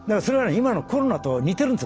今のコロナと似てるんです。